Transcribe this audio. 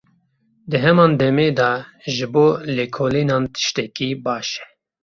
Di heman demê de ji bo lêkolînan tiştekî baş e.